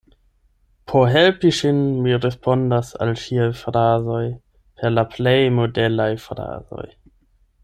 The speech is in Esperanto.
Por helpi ŝin, mi respondas al ŝiaj frazoj per la plej modelaj frazoj.